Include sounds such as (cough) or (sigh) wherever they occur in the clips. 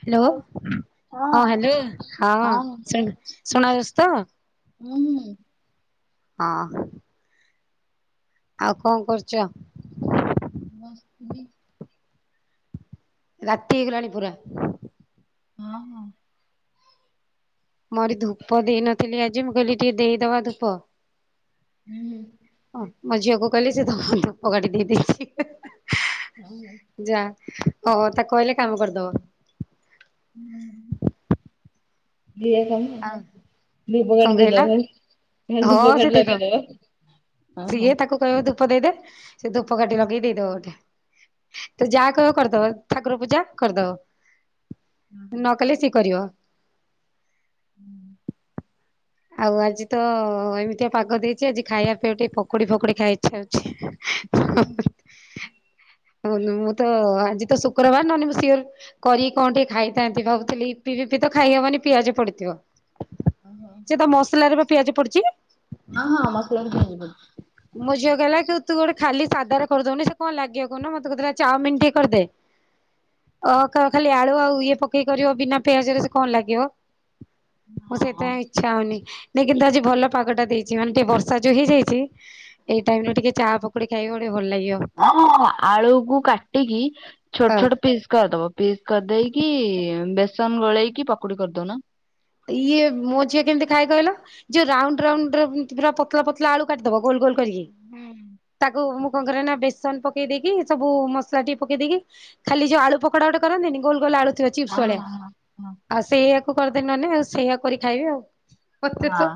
Hello ହଁ ହଁ hello ହଁ ଶୁଣା ଶୁଣାଯାଉଚି ତ? ଉଁ ହୁଁ। ଅ ହଁ। ଆଉ କଣ କରୁଚ? (unintelligible) ରାତିହେଇ ଗଲାଣି ପୁରା ହଁ ହଁ। ମୋରି ଧୂପ ଦେଇନଥିଲି ଆଜି ମୁଁ କହିଲି ଟିକେ ଦେଇଦବା ଧୂପ ହୁଁ ହଁ ମୋ ଝିଅ କୁ କହିଲି ସେ ତମକୁ ଧୂପ କାଠି ଦେଇ ଦେଇଚି। ହୁଁ ଯା ଓ ତାକୁ କହିଲେ କାମ କରିଦବ। ଦିଏ କମ୍। ଆଉ କଣ ଧୂପକାଠି କହିଲ ଦେଇଦବ ନ ହେଲେ ହଁ ସେ ଧୂପକାଠି ଦେଇଦବ ଲଗେଇଦବ। ଆ ହୋ। ସିଏ ତାକୁ କହିବ ଧୂପ ଦେଇଦେ ସେ ଧୂପକାଠି ଲଗେଇ ଦେଇଦବ ଗୋଟେ। ତ ଯା କହିବ କରିଦବ ଠାକୁର ପୂଜା କରିଦବ ନ କଲେ ସିଏ କରିବ। ଆଉ ଆଜି ତ ଏମିତିଆ ପାଗ ଦେଇଚି ଆଜି ଖାଇବା ପାଇଁ ଟିକେ ପକୁଡି ଫକୁଡି ଖାଇ ଛାଉଛି ହଉ ମୁଁ ତ ଆଜି ତ ଶୁକ୍ରବାର ନହେଲେ ମୁଁ ସିଅର୍ କରି କଣ ଟିକେ ଖାଇଥାନ୍ତି ଭାବୁଥିଲି ଇପି ଫିପି ତ ଖାଇହବନି ପିଆଜ ପଡିଥିବ। ଓହୋ। ସେ ତ ମସଲାରେ ବା ପିଆଜ ପଡିଚି। ହଁ ହଁ ମସଲାରେ ପିଆଜ ପଡିଚି। ମୋ ଝିଅ କହିଲା କି ତୁ ଗୋଟେ ଖାଲି ସାଧାରେ କରିଦଉନି। ସେ କଣ ଲାଗିବ କହୁନୁ ମତେ କହୁଥିଲା ଚାଓମିନ ଟିକେ କରିଦେ। ଓ ଖା ଖାଲି ଆଳୁ ଆଉ ଇଏ ପକେଇ କରିବ ବିନା ପିଆଜରେ ସେ କଣ ଲାଗିବ? ସେତି ହଁ ପା ଇ ଛା ହଉନି ନାଇଁ କିନ୍ତୁ ଆଜି ଭଲ ପାଗଟା ଦେଇଚି ମାନେ ଟିକେ ବର୍ଷା ଯୋଉ ହେଇଯାଇଚି ଏଇ ଟାଇମ୍ ରେ ଟିକେ ଚା ପକୁଡ଼ି ଖାଇବ ଟିକେ ଭଲ ଲାଗିବ। ଅଁ ଆଳୁକୁ କାଟିକି ଛୋଟ ହଁ ଛୋଟ ପିସ୍ କରିଦବ ପିସ୍ କରିଦେଇକି ବେସନ ଗୋଳେଇକି ପକୁଡ଼ି କରିଦଉନ। ଇଏ ମୋ ଝିଅ କେମିତି ଖାଏ କହିଲ ଯଉ ରାଉଣ୍ଡ ରାଉଣ୍ଡରେ ପୁରା ପତଲା ପତଲା ଆଳୁ କାଟିଦବ ଗୋଲ୍ ଗୋଲ୍ କରୀକି ହୁଁ। ତାକୁ ମୁଁ କଣ କରେ ନା ବେସନ ପକେଇ ଦେଇକି ସବୁ ମସଲା ଟିକେ ପକେଇ ଦେଇକି ଖାଲି ଯୋଉ ଆଳୁ ପକୋଡା ଗୋଟେ କରନ୍ତିନି ଗୋଲ ଗୋଲ୍ ଆଳୁ ହଁ ଚିପ୍ସ ଭଳିଆ ହଁ ହଁ ଆଉ ସେୟା କୁ କରିଦେ ନହଲେ ଆଉ ସେୟା କରି ଖାଇବି ଆଉ। ମତେ ହଁ। ତ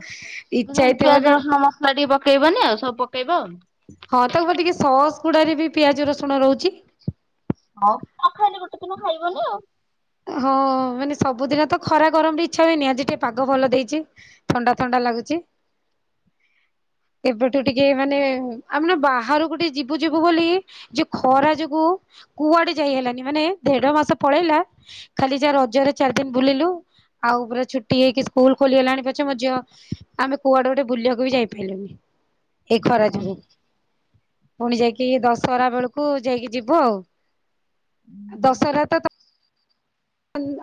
ଇଛା ହେଇଥିବ ମାନେ ସ ଟିକେ ପକେଇବନି ଆଉ ସବୁ ପକେଇବ ଆଉ। ହଁ ତାକୁ ବା ଟିକେ ସସ୍ ଗୁଡାରେ ବି ପିଆଜ ରସୁଣ ରହୁଚି। ହଉ ଆଉ ନ ଖାଇଲେ ଗୋଟେ ଦିନ ଖାଇବନି ଆଉ। ହଁ ମାନେ ସବୁଦିନ ତ ଖରା ଗରମରେ ଇଛା ହୁଏନି ଆଜି ଟିକେ ପାଗ ଭଲ ଦେଇଚି। ଥଣ୍ଡା ଥଣ୍ଡା ଲାଗୁଚି। ଏବେଠୁ ଟିକେ ମାନେ ଆମେ ନା ବାହାରକୁ ଗୋଟେ ଯିବୁ ଯିବୁ ବୋଲି ଯୋଉ ଖରା ଯୋଗୁ କୁଆଡେ ଯାଇ ହେଲାନି ମାନେ ଦେଢ ମାସ ପଳେଇଲା। ଖାଲି ଯାହା ରଜରେ ଚାରି ଦିନ ବୁଲିଲୁ ଆଉ ପୁରା ଛୁଟି ହେଇକି ସ୍କୁଲ ଖୋଲିଗଲାଣି ପଛେ ମୋ ଝିଅ ଆମେ କୁଆଡେ ଗୋଟେ ବୁଲିବାକୁ ବି ଯାଇପାଇଲୁନି। ଏ ଖରା ଯୋଗୁ ପୁଣି ଯାଇକି ଦଶହରା ବେଳକୁ ଯାଇକି ଯିବୁ ଆଉ। ଦଶହରା ତ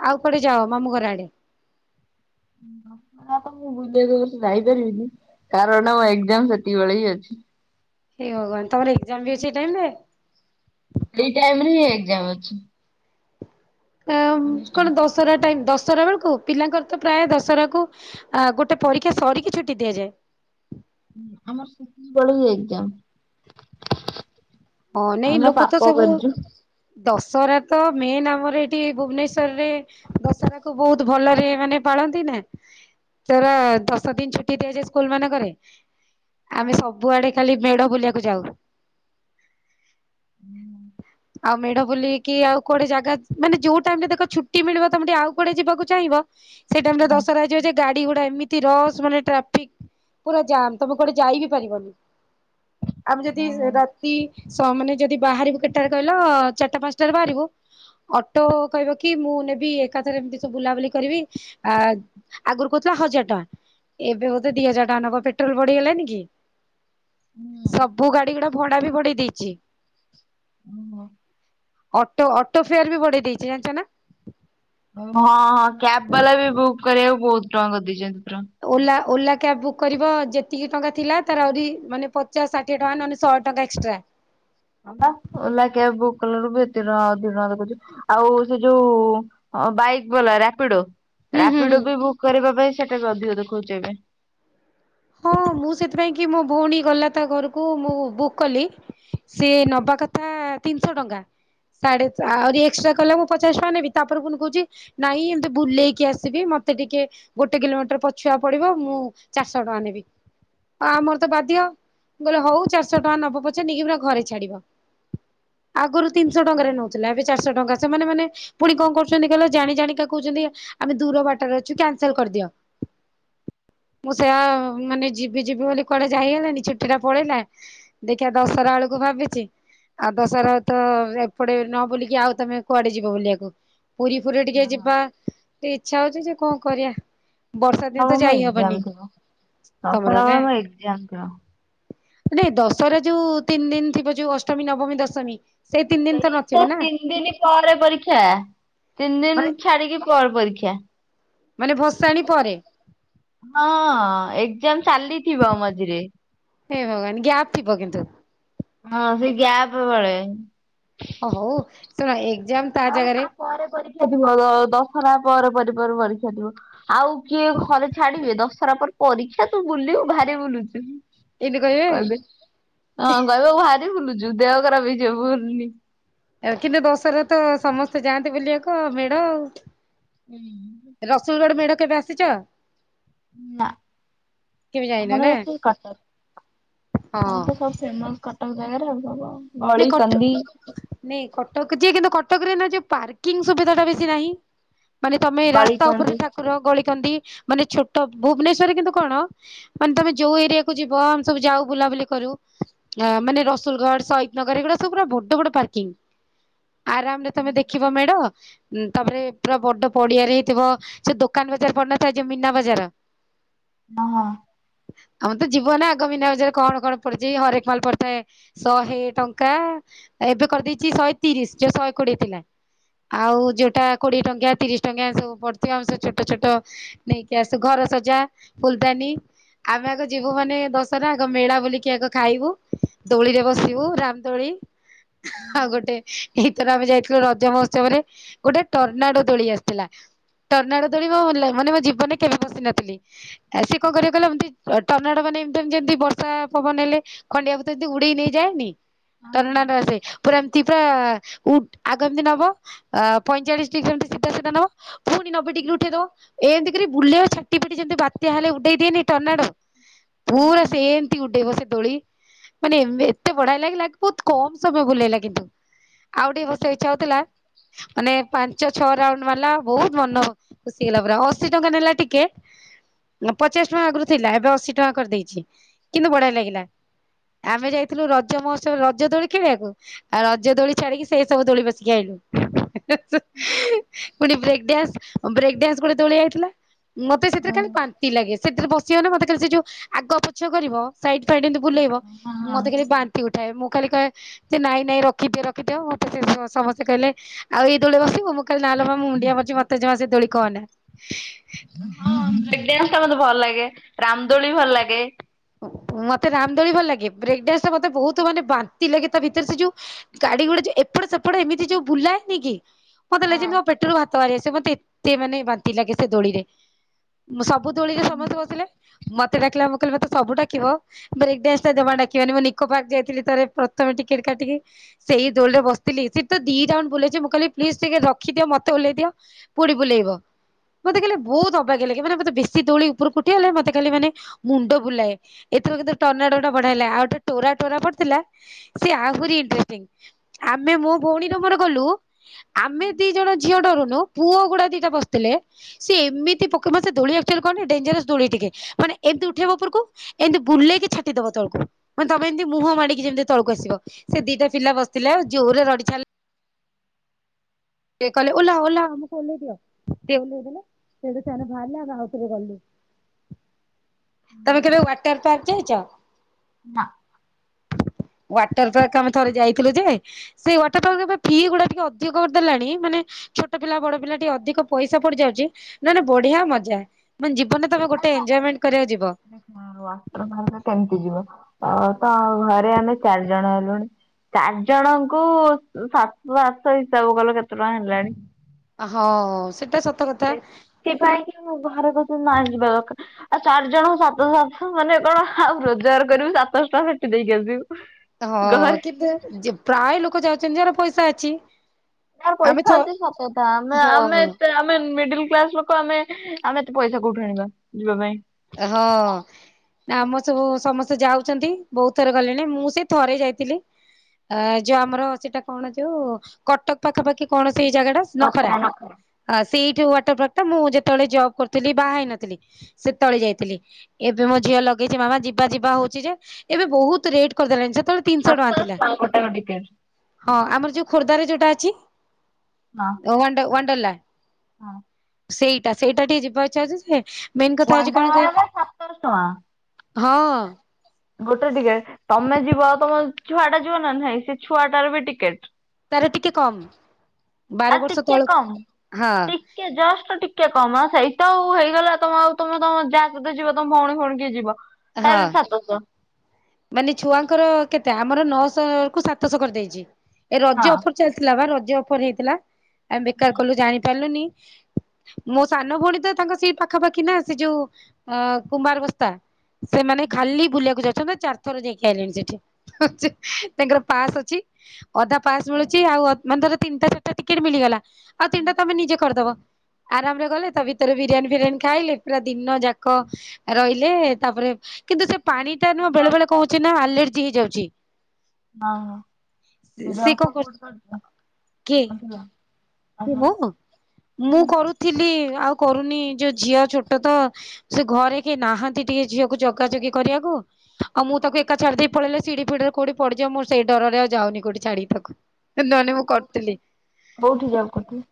ଆଉ କୁଆଡେ ଯାଅ ମାମୁ ଘର ଆଡେ? ଦଶହାରା ତ ମୁଁ ବୁଲିବାକୁ ଏ ବର୍ଷ ଯାଇପାରିବିନି କାରଣ ଏଗ୍ଜାମ ସେତିକି ବେଳେ ହି ଅଛି। ହେଏ ଭଙ୍ଗବାନ ତମର ଏକ୍ଜାମ ବି ଅଛି ଏଇ ଟାଇମିରେ? ଏଇ ଟାଇମି ରେ ହିଁ ଏଗଜାମ ଅଛି। ଆ କଣ ଦଶହରା ଟାଇମି ଦଶହରା ବେଳକୁ ପିଲାଙ୍କର ତ ପ୍ରାୟ ଦଶହରାକୁୁ ଆ ଗୋଟେ ପରୀକ୍ଷା ସରିକି ଛୁଟି ଦିଆଯାଏ। ଆମର ସେତିକିବେଳେ ହି ଏଗଜାମ୍। ହଁ ନାଇଁ ଲୋକ ତ ସବୁ ଦଶହରା ତ ମେନ୍ ଆମର ଏଠି ଭୁବନେଶ୍ୱରରେ ଦଶହରା କୁ ବହୁତ ଭଲରେ ମାନେ ପାଳନ୍ତି ନା। ତେର ଦଶ ଦିନ ଛୁଟି ଦିଆଯାଏ ସ୍କୁଲ ମାନଙ୍କରେ ଆମେ ସବୁଆଡେ ଖାଲି ମେଢ ବୁଲିବାକୁ ଯାଉ। ହୁଁ ହୁଁ। ଆଉ ମେଢ ବୁଲିକି ଆଉ କୁଆଡେ ଜାଗା ମାନେ ଯୋଉ ଟାଇମ ରେ ଦେଖ ଛୁଟି ମିଳିବ ତମେ ଟିକେ ଆଉ କୁଆଡେ ଯିବାକୁ ଚାହିଁବ। ସେଇ ଟାଇମି ରେ ଦଶହରା ହେଇଯିବ ଯେ ଗାଡି ଘୋଡା ଏମିତି ରସ ମାନେ ଟ୍ରାଫିକ ପୁରା ଜାମ୍ ତମେ କୁଆଡେ ଯାଇ ବିି ପାରିବନି ଆମେ ଯଦି ହଁ ର କି ସ ମାନେ ଯଦି ବାହାରିବୁ କେତଟାରେ କହିଲ ଚାରିଟା ପାଞ୍ଚଟାରେ ବାହାରିବୁ ଅଟୋ କହିବ କି ମୁଁ ନେବି ଏକାଥାରେ ଏମିତି ସବୁ ବୁଲାବୁଲି କରିବି ଆ ଆଗରୁ କହୁଥିଲା ହଜାର ଟଙ୍କା ଏବେ ବୋଧେ ଦି ହଜାର ଟଙ୍କା ନବ ପେଟ୍ରୋଲ ବଢିଗଲାଣି କି? ସବୁ ଗାଡି ଗୁଡା ଭଡା ବି ଭଡେଇ ଦେଇଛି। ହୁଁ ହୋ। ଅଟୋ ଅଟୋ ଫେୟାର ବି ବଢେଇ ଦେଇଛି ଜାଣିଛ ନା? ହଁ ହଁ କ୍ୟାବ ବାଲା ବି ବୁକ୍ କରିବାକୁ ବହୁତ ଟଙ୍କା କରିଦେଇଛନ୍ତି ପୁରା। ଓଲା ଓଲା କ୍ୟାବ୍ ବୁକ୍ କରିବ ଯେତିକି ଟଙ୍କା ଥିଲା ତାର ଆହୁରି ମାନେ ପଚାଶ ଷାଠି ଷାଠିଏ ଟଙ୍କା ନନେ ଶହେ ଟଙ୍କା ଏକ୍ସଟ୍ରା ହଁ ପା ଓଲା କ୍ୟାବ ବୁକ୍ କଲାରୁ ବି ଏତେ ଟଙ୍କା ଅଧିକ ଟଙ୍କା ଦେଖୁଉଛି। ଆଉ ସେ ଯୋଉ ବାଇକ୍ ବାଲା ରାପିଡୋ। ହୁଁ ହୁଁ ହୁଁ ରାପିଡୋକୁ ବି ବୁକ୍ କରିବା ପାଇଁ ସେଟା ବି ଅଧିକ ଦେଖଉଛି ଏବେ। ହଁ ମୁଁ ସେଥିପାଇଁ କି ମୋ ଭଉଣୀ ଗଲା ତା ଘରକୁ ମୁଁ ବୁକ୍ କଲି। ସେ ନବା କଥା ତିନିଶହ ଟଙ୍କା। ସାଢେ ଆହୁରି ଏକ୍ସଟା କଲା ମୁଁ ପଚାଶ ଟଙ୍କା ନେବି ତାପରେ ପୁଣି କହୁଛି। ନାଇଁ ଏମିତି ବୁଲେଇକି ଆସିବି ମତେ ଟିକେ ଗୋଟେ କିଲୋମିଟର ପଛୁଆ ପଡିବ ମୁଁ ଚାରି ଚାରିଶହ ଟଙ୍କା ନେବି। ଆମର ତ ବାଧ୍ୟ ମୁଁ କହିଲି ହଉ ଚାରିଶହ ଟଙ୍କା ନବ ପଛେ ନେଇକି ପୁରା ଘରେ ଛାଡିବ। ଆଗରୁ ତିନିଶହ ଟଙ୍କାରେ ନଉଥିଲା। ଏବେ ଚାରିଶହ ଟଙ୍କା ସେମାନେ ମାନେ ପୁଣି କଣ କରୁଛନ୍ତି କହିଲ ଜାଣିଜାଣିକା କହୁଛନ୍ତି ଆମେ ଦୂର ବାଟରେ ଅଛୁ କ୍ୟାନସେଲ କରିଦିଅ। ସେ ମାନେ ଯିବି ଯିବି ବୋଲି କୁଆଡେ ଯାଇ ହେଲାନି ଛୁଟି ଟା ପଳେଇଲା। ଦେଖିଆ ଦଶହରା ବେଳକୁ ଭାବିଚି। ଆଉ ଦଶହରା ତ ଏପଟେ ନ ବୁଲିକି ଆଉ ତମେ କୁଆଡେ ଯିବ ବୁଲିବାକୁ। ପୁରୀ ଫୁରୀ ଟିକେ ଯିବା ଟିକେ ଇଚ୍ଛା ହଉଚି ଯେ କଣ କରିବା। ବର୍ଷା ଦିନ ହଁ ତ ପା ମୋ ଯାଇ ହବନି ଏଜ୍ଜାମ୍ ଥିବ। ତମର ଦଶହରା ନା? ବେଳେ ମୋ ଏଜ୍ଜାମ୍ ଥିବ। ନାଇଁ ଦଶହରା ଯୋଉ ତିନି ଦିନ ଥିବ ଯୋଉ ଅଷ୍ଟମୀ ନବମୀ ଦଶମୀ ତିନି ଦିନ ସେଇ ନଥିବ ତ ନା? ତିନି ଦିନ ପରେ ପରୀକ୍ଷା। ତିନି ଦିନି ମାନେ ଛାଡିକି ପରେ ପରୀକ୍ଷା। ମାନେ ଭସାଣି ପରେ। ହଁ ଏକ୍ଜାମ ଚାଲିଥିବ ମଝିରେ। ହେ ଭଗବାନ୍ ଗ୍ୟାପ ଥିବ କିନ୍ତୁ। ହଁ ସେ ଗ୍ୟାପ ବଳେ ଅ ହଉ ତୋର ଏଗ୍ଜାମ ହଁ ରେ ତା ପରେ ପରୀକ୍ଷା ଥିବ। ଦଶହରା ପରେ (unintelligible) ପରୀକ୍ଷା ଥିବ। ଆଉ କିଏ ଘରେ ଛାଡିବେ, ଦଶହରା ପରେ ପରୀକ୍ଷା ତୁ ବୁଲିବୁ ଭାରି ବୁଲୁଚୁ। କହିବେ ହଁ କହିବେ ଭାରି ବୁଲୁଚୁ। ଦେହ ଖରାପ ହେଇଯିବ ବୁଲୁନି। ଅ କିନ୍ତୁ ଦଶହର ତ ସମସ୍ତେ ଯାଆନ୍ତି ବୁଲିବାକୁ ମେଢ ଆଉ। (inaudible) ରସୁଲଗଡ଼ ମେଢ କେବେ ଆସିଚ? ନା। କେବେ ଯାଇନ ଆମର ନା? ସେଇ କଟକ। ହଁ ଆମର ତ ସବୁ ଫେମସ କଟକ ଜାଗାରେ ଆଉ। ନାଇଁ ଗଳି କଟ କନ୍ଧି ନାଇଁ କଟକ ଯେ କିନ୍ତୁ କଟକରେ ନା ଯୋଉ ପାର୍କିଂ ସୁବିଧା ଟା ବେଶୀ ନାହିଁ। ମାନେ ତମେ ଗଳି ରାସ୍ତା ଉପରେ କନ୍ଦି ଠାକୁର ଗଳି କନ୍ଧି ମାନେ ଛୋଟ ଭୁବନେଶ୍ୱରରେ କିନ୍ତୁ କଣ ମାନେ ତମେ ଯୋଉ ଏରିଆକୁ ଯିବ ଆମେ ସବୁ ଯାଉ ବୁଲାବୁଲି କରୁ, ମାନେ ରସୁଲଗଡ ସ ନଗର ଗୁଡା ସବୁ ପୁରା ବଡ ବଡ ପାର୍କିଂ। ଆରାମ ରେ ତମେ ଦେଖିବ ମେଢ଼ ତାପରେ ପୁରା ବଡ ପଡିଆରେ ହେଇଥିବ। ସେ ଦୋକାନ ବଜାର ପଡିନଥାଏ ଯଉ ମୀନା ବଜାର ହ (inaudible) ହଁ ହଁ। ଆମେ ତ ଯିବ ନା ଆଗ ମୀନା ବଜାରରେ କଣ କଣ ପଡିଚି, ହରେକ ମାଲ ପଡିଥାଏ ଶହେ ଟଙ୍କା। ଏବେ କରିଦେଇଚି ଶହେ ତିରିଶ ଯୋଉ ଶହେ କୋଡିଏ ଥିଲା। ଆଉ ଯୋଉଟା କୋଡିଏ ଟଙ୍କିଆ ତିରିଶ ଟଙ୍କିଆ ସବୁ ପଡିଥିବ ସେ ଛୋଟ ଛୋଟ ନେଇକି ଆସୁ। ଘର ସଜା ଫୁଲଦାନୀ ଆମେ ଆଗ ଯିବୁ ମାନେ ଦଶହରା ଆଗ ମେଳା ବୁଲିକି ଆଗ ଖାଇବୁ ଦୋଳିରେ ବସିବୁ ରା ମ ଦୋଳି ଆଉ ଗୋଟେ ଏଇଥର ଆମେ ଯାଇଥିଲୁ ରଜ ମହୋତ୍ସବରେ ଗୋଟେ ଟର୍ନାଡୋ ତୋଳି ଆସିଥିଲା ଟର୍ନାଡୋ ଦୋଳି ମତେ ଭଲ ଲାଗେ। ମାନେ ମୋ ଜୀବନରେ କେବେ ବସି ନଥିଲି। ସେ କଣ କରିବେ କହିଲ ଏମିତି ଟର୍ନାଡୋ ମାନେ ଏମତି ଯେମିତି ବର୍ଷା ପବନ ହେଲେ ଖଣ୍ଡିଆ ଭୂତ ଯେମିତି ଉଡ଼େଇ ନେଇଯାଏନି ଟର୍ନାଡୋ ଟା ସେ, ପୁରା ଏମିତି ପୁରା ଉ ଆଗ ଏମିତି ନବ ଅ ପଇଁଚାଳିଶ ଡିଗ୍ରୀ ଏମିତି ସିଧା ସିଧା ନବ ପୁଣି ନବେ ଡିଗ୍ରୀ ଉଠେଇଦବ। ଏମିତି କିରି ବୁଲେଇ ଛାଟି ଫିଟି ଯେମତି ବାତ୍ୟା ହେଲେ ଉଠେଇ ଦିଏନି ଟର୍ନାଡ ପୁରା ହଁ। ସେମିତି ଉଡେଇବ ସେ ଦୋଳି। ମାନେ ଏତେ ବଢିଆ ଲାଗିଲା ବହୁତ କମ ସମୟ ବୁଲେଇଲା କିନ୍ତୁ। ଆଉ ଟିକେ ବସିବାକୁ ଇଛା ହଉଥିଲା। ମାନେ ପାଞ୍ଚ ଛଅ ରାଉଣ୍ଡ ମାରିଲା। ବହୁତ ମନ ଖୁସି ହେଇଗଲା ପୁରା। ଅଶୀ ଟଙ୍କା ନେଲା ଟିକେଟ। ପଚାଶ ଟଙ୍କା ଆଗରୁ ଥିଲା ଏବେ ଅଶୀ ଟଙ୍କା କରିଦେଇଚି। କିନ୍ତୁ ବଢିଆ ଲାଗିଲା। ଆମେ ଯାଇଥିଲୁ ରଜମହୋ ସବୁ ରଜ ଦୋଳି ଖେଳିବାକୁ। ଆଉ ରଜ ଦୋଳି ଛାଡିକି ସେ ସବୁ ଦୋଳି ବସିକି ଆଇଲୁ। ପୁଣି ବ୍ରେକଡାନ୍ସ ବ୍ରେକଡାନ୍ସ ଗୋଟେ ଦୋଳି ଆଇଥିଲା। ମତେ ସେଥିରେ ଖାଲି ବାନ୍ତି ଲାଗେ। ସେଥିରେ ବସିବ ମାନେ ମତେ ଖାଲି ସେ ଯୋଉ ଆଗ ଚ କରିବ ସାଇଡ ଫିଇଡ୍ ବୁଲେଇବ ମତେ ବ୍ରେକ୍ ଖାଲି ବାନ୍ତି ଉଠାଏ ମୁଁ ଖାଲି କହେ ଯେ ନାଇଁ ନାଇଁ ରଖିଦିଅ ରଖିଦିଅ ମତେ ସମସ୍ତେ କହିଲେ ଆଉ ଏଇ ଦୋଳିରେ ବସିବ ମୁଁ କହିଲି ନ ଲୋକ ମା ମୁଁ ମୁଣ୍ଡିଆ ମାରୁଚି ମତେ ଜମା ସେ ଦୋଳି କହ ନା ହଁ ବ୍ରେକ ଡନ୍ସ ଟା ମତେ ଭଲ ଲାଗେ ରାମଦୋଳି ଭଲ ଲାଗେ ମତେ ରାମଦୋଳି ଭଲ ଲାଗେ ବ୍ରେକ୍ ଡାନ୍ସ ମତେ ବହୁତ ମାନେ ବାନ୍ତି ଲାଗେ ତା ଭିତରେ ସେ ଯୋଉ ଗାଡି ଗୁଡା ଯଉ ଏପଟ ସେପଟ ଏମିତି ଯୋଉ ବୁଲାଏନି କି ମତେ ଲାଗେ ଯେମିତି ମୋ ପେଟରୁ ହାତ ବାହାରି ଆସେ ମତେ ଏତେ ମାନେ ବାନ୍ତି ଲାଗେ ସେ ଦୋଳିରେ ସବୁ ଦୋଳିରେ ସମସ୍ତେ ବସିଲେ ମତେ ଡାକିଲା ମୁଁ କହିଲେ ମତେ ସବୁ ଡାକିବ ବ୍ରେକ ଡାନ୍ସ ଜମ୍ହା ଡାକିବନି ମୁଁ ନିକୋ ପାର୍କ ଯାଇଥିଲି ତ ପ୍ରଥମେ ଟିକେଟ କାଟିକି ସେଇ ଦୋଳରେ ବସିଥିଲି ସେତ ଦି ରାଉଣ୍ଡ ବୁଲେଇଚି ମୁଁ କହିଲି ପ୍ଲିଜ ଟିକେ ରଖିଦିଅ ମତେ ଓଲ୍ହେଇ ଦିଅ ପୁଣି ବୁଲେଇବ ମତେ ଖାଲି ବହୁତ ଅବାଗିଆ ଲାଗେ ମାନେ ମତେ ବେଶୀ ଦୋଳି ଉପକୁ ଉଠିଗଲେ ମତେ ଖାଲି ମାନେ ମୁଣ୍ଡ ବୁଲାଏ ଏଥିର କିନ୍ତୁ ଟନା ଟନା ବଢିଆ ହେଲା ଆଉ ଗୋଟେ ଟୋରା ଟୋରା ପଡିଥିଲା ସେ ଆହୁରି ଏଣ୍ଟରେଷ୍ଟିଙ୍ଗ ଆମେ ମୋ ଭଉଣୀ ମୋର ଗଲୁ ଆମେ ଦି ଜଣ ଝିଅ ଡରୁନୁ ପୁଅ ଗୁଡା ଦିଟା ବସିଥିଲେ ସେ ଏମିତି ପକ ମାନେ ସେ ଦୋଳି ଆକଚ୍ୟଲି କଣ କି ଡେଞଜରିଅସ ଦୋଳି ଟିକେ ମାନେ ଏମିତି ଉଠେଇବ ଉପରକୁ ଏମିତି ବୁଲେଇକି ଛାଟିଦବ ତଳକୁ ମାନେ ତମେ ଏମିତି ମୁହଁ ମାଡିକି ଯେମିତି ତଳକୁ ଆସିବ ସେ ଦିଟା ପିଲା ବସିଥିଲେ ଆଉ ଜୋରେ ରଡି ଛାଡି ସିଏ କହଲେ ଓଲ୍ହା ଓଲ୍ହା ଆମକୁ ଓଲ୍ହେଇ ଦିଅ ସେ ଓଲ୍ହେଇ ଦେଲେ। ସେଇଠୁ ସେମାନେେ ବାହାରିଲା ଆମେ ଆଉଥରେ ଗଲୁ। ତେ କେବେ ୱଟର ପାର୍କ ଯାଇଚ? ନା ୱାଟର ପାର୍କ ଆମେ ଥରେ ଯାଇଥିଲୁ ଯେ ସେଇ ୱାଟର ପାର୍କ ଏବେ ଫି ଗୁଡା ଟିକେ ଅଧିକ କରିଦେଲାଣି ମାନେ ଛୋଟ ପିଲା ବଡ ପିଲା ଟିକେ ଅଧିକ ପଇସା ପଡି ଯାଉଚି ନହେଲେ ବଢିଆ ମଜା ମାନେ ଜୀବନ ର ତମେ ଗୋଟେ ଏଞ୍ଜୟେମେଣ୍ଟ କରିବାକୁ ଯିବ। ୱାଟର ପାର୍କ କେମିତି ଯିବ ତ ଘରେ ଆମେ ଚାରି ଜଣ ହେଲୁଣି ଚାରି ଜଣଙ୍କୁ ସାତଶହ ଆଠଶହ ହିସାବ କଲ କେତେ ଟଙ୍କା ହେଲାଣି ହଁ ସେଟା ସତ କଥା। ସେପାଇଁ କିି ମୁଁ ବାହାରକୁ ନା ଯିବା ଦରକାର ଆଉ ଚାରି ଜଣ ସାତଶହ ଆଠଶହ ମାନେ କଣ ଆଉ ରୋଜଗାର କରିବୁ ସାତଶହ ଟଙ୍କା ସେଠି ଦେଇକି ଆସିବୁ। ହଁ ଘରେ କିନ୍ତୁ ଯେ ପ୍ରାୟ ଲୋକ ଯାଉଚନ୍ତି ଯାହାର ପଇସା ଅଛି। ଯାହାର ଆମେ ଥ ପଇସା ଅଛି ସତ କଥା ଆମେ ହଁ ଆମେ ଏତେ ଆମେ ମିଡିଲ କ୍ଲାସ ଲୋକ କ ଆମେ ଆମେ ଏତେ ପଇସା କଉଠୁ ଆଣିବା ଯିବା ପାଇଁ। ହଁ। ନା ଆମର ସବୁ ସମସ୍ତେ ଯାଉଛନ୍ତି ବହୁତ ଥରେ ଗଲେଣି ମୁଁ ସେ ଥରେ ଯାଇଥିଲି। ଆ ଯୋଉ ଆମର ସେଇଟା କଣ ଯୋଉ କଟକ ପାଖାପାଖି କଣ ସେଇ ଜାଗା ଟା? ନଖରା ଆ ସେଇଠି ୱାଟର ପାର୍କ ଟା ମୁଁ ଯେତେବେଳେ ଜବ୍ କରଥିଲି ବାହା ହେଇନଥିଲି ସେ ତଳେ ଯାଇଥିଲି ଏବେ ମୋ ଝିଅ ଲଗେଇଚି ମାମା ଯିବା ଯିବା ହଉଚି ଯେ ଏବେ ବହୁତ ରେଟ୍ କରିଦେଲେଣି ଯେତେବେଳେ ତିନିଶହ ଟଙ୍କା ସାତଶହ ଥିଲା ଗୋଟାକ ଟିକେଟ। ହଁ ଆମର ଯୋଉ ଖୋର୍ଦ୍ଧାରେ ଯୋଉଟା ଅଛି ହଁ। ୱାଣ୍ଡ ୱାଣ୍ଡଲା ହଁ ସେଇଟା ସେଇଟା ଟିକେ ଯିବାକୁ ଇଚ୍ଛା ହଉଚି ଯେ ମେନ କଥା ହଉଚି କଣ କର ୱାଣ୍ଡାରେ ସାତଶହ ଟଙ୍କା ହଁ। ଗୋଟେ ଟିକେ ତମେ ଯିବ ଆଉ ତମ ଛୁଆ ଟା ଯିବ ନା ନାଇଁ ସେ ଛୁଆଟାର ବି ଟିକେଟ ତାର ଟିକେ କମ୍ ଆଉ ବାର ବର୍ଷ ଟିକେ କମ୍। ତଳକୁ ହଁ। ଟିକେ ଜଷ୍ଟ ଟିକେ କମ ସେଇତ ଆଉ ହେଇଗଲା ତମ ଆଉ ତମେ ତମ ଯାହା ସହିତ ଯିବ ତମେ ଭଉଣୀ ଫୋଉଣୀ କି ଯିବ ତାର ହଁ ବି ସାତଶହ ମାନେ ଛୁଆଙ୍କର କେତେ ଆମର ନଅଶହ କୁ ସାତଶହ କରିଦେଇଚି ଏ ରଜ ହଁ ଅଫର ଚାଲିଥିଲା ବା ରଜ ଅଫର ହେଇଥିଲା ଆମେ ବେକାର କଲୁ ଜାଣି କଲୁନି ମୋ ସାନ ଭଉଣୀ ତ ତାଙ୍କ ସ ପାଖାପାଖି ନା ସେ ଯୋଉ ଅ କୁମ୍ମାର ବସ୍ତା ସେମାନେ ଖାଲି ବୁଲିବାକୁ ଯାଉଛନ୍ତି। ଚାରି ଥର ଯାଇକି ଆଇିଲଣି ସେଠି ତାଙ୍କର ପାସ୍ ଅଛି। ଅଧା ପାସ୍ ମିଳୁଛି ଆଉ ମାନେ ଧର ତିନିଟା ଚାରିଟା ଟିକେଟ ମିଳିଗଲା ଆଉ ତିନିଟା ତମେ ନିଜେ କରିଦବ। ଆରାମ ରେ ଗଲେ ତା ଭିତରେ ବିରିୟାନୀ ଫିରିୟାନୀ ଖାଇଲେ। ପୁରା ଦିନ ଯାକ ରହିଲେ ତାପରେ କିନ୍ତୁ ସେ ପାଣି ଟା ନୁହଁ ବେଳେ ବେଳେ କହୁଛି ନା ଆଲର୍ଜି ହେଇଯାଉଛି। ହଁ ହଁ ସେ କଣ ଯଙ୍କ କର ଫୁଡ୍। କିଏ (unintelligible) ମୁଁ ମୁଁ କରୁଥିଲି ଆଉ କରୁନି ଯୋଉ ଝିଅ ଛୋଟ ତ। ସେ ଘରେ କେଏ ନାହାନ୍ତି ଟିକେ ଝିଅକୁ ଜଗା ଜଗି କରିବାକୁ। ଆଉ ମୁଁ ତାକୁ ଏକା ଛଡି ଦେଇ ପଳେଇଲେ ସିଢି ଫିଡିରେ କଉଠି ପଡିଯିବ ମୁଁ ସେଇ ଡରରେ ଆଉ ଯାଉନି କୋଉଠି ଛାଡି ତାକୁୁ ନନେ ମୁଁ କରୁଥିଲି। କଉଠି ଯଵ କରୁଥିଲେ?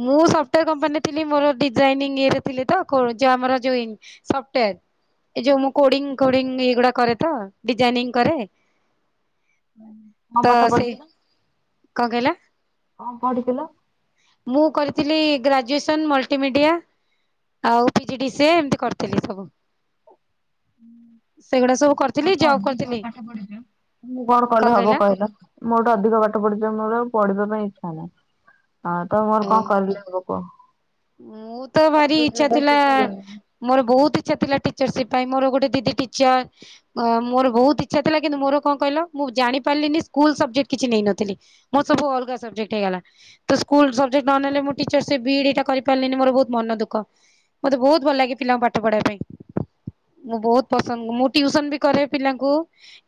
ମୁଁ ସଫ୍ଟାର କମ୍ପାନୀରେ ଥିଲି ମୋର ଡିଜାଇନିଂ ଇଏରେ ଥିଲେ ତ କରୁଜ ଆମର ଜଇନ। ସଫ୍ଟୟାର ଏଇ ଯୋଉ ମୁଁ କୋଡିଙ୍ଗ, କୋଡିଙ୍ଗ ଏଇଗୁଡା କରେ ତ ଡିଜାଇନିଂ କରେ। କଣ ତ ପାଠ ସେ ପଢିଥିଲ କଣ କହିଲ? କଣ ପଢିଥିଲ? ମୁଁ କରିଥିଲି ଗ୍ରାଜୁଏସନ ମଲ୍ଟିମିଡ଼ିଆ। ଆଉ ପିଜି ଡି ସି ଏ ଏମିତି କରିଥିଲି ସବୁ। ସେଗୁଡା ସବୁ ମ କରିଥିଲି ଠୁ ଜବ୍ ଅଧିକ କରିଥିଲି ପାଠ ପଢିଛ। ମୁଁ କଣ କଲେ ହବ କହିଲ? ମ ଠୁ ଅଧିକ ପାଠ ପଢ଼ିଛ ମୋର ଆଉ ପଢିବା ପାଇଁ ଇଚ୍ଛା ନାହିଁ। ହଁ ତ ମୋର କଣ କଲି କୁହ? ମୁଁ ତ ଭାରି କମ୍ପ୍ୟୁଟର ଇଚ୍ଛା ଟା ଥିଲା। ଶିଖିଗଲିଣି ମୋର ବହୁତ ଇଚ୍ଛା ଥିଲା ଟିଚରସିପ ପାଇଁ ମୋର ଗୋଟେ ଦିଦି ଟିଚର। ମୋର ବହୁତ ଇଚ୍ଛା ଥିଲା କିନ୍ତୁ ମୋର କଣ କହିଲ ମୁଁ ଜାଣି ପାରିଲିନି ସ୍କୁଲ ସବଜେକ୍ଟ କିଛି ନେଇନଥିଲି। ମୋ ସବୁ ଅଲଗା ସବଜେକ୍ଟ ହେଇଗଲା ତ ସ୍କୁଲ ସବଜେକଟ ନ ନେଲେ ମୁଁ ଟିଚରସିପି ବି ଇ ଡି ଟା କରି ପାଲିନି ମୋର ବହୁତ ମନ ଦୁଃଖ ମତେ ବହୁତ ଭଲ ଲାଗେ ପିଲାଙ୍କୁ ପାଠ ପଢବା ପାଇଁ। ମୁଁ ବହୁତ ପସନ୍ଦ ମୁଁ ଟିଉସନ ବି କରେ ପିଲାଙ୍କୁ।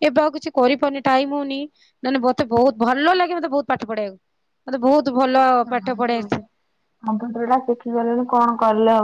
ଏବେ ଆଉ କିଛି କରିପାରୁନି ଟାଇମ ହଉନି ନହେଲେ ମତେ ବହୁତ ଭଲ ଲାଗେ ମତେ ବହୁତ ପାଠ ପଢେଇବାକୁ। ମତେ ବହୁତ ଭଲ ପାଠ ପଢେଇ ଆସେ। କମ୍ପ୍ୟୁଟର ଟା ଶିଖିଗଲେଣୁ କଣ କଲେ ହବ?